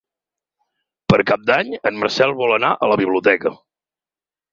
Per Cap d'Any en Marcel vol anar a la biblioteca.